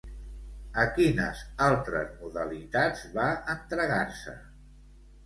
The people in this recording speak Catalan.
A quines altres modalitats va entregar-se?